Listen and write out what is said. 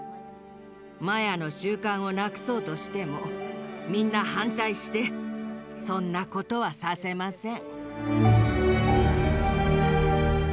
マヤの習慣をなくそうとしてもみんな反対してそんなことはさせません。